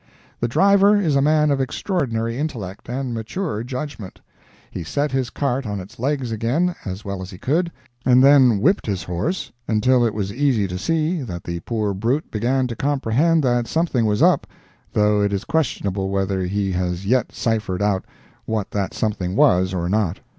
The driver is a man of extraordinary intellect and mature judgment—he set his cart on its legs again as well as he could, and then whipped his horse until it was easy to see that the poor brute began to comprehend that something was up, though it is questionable whether he has yet cyphered out what that something was, or not.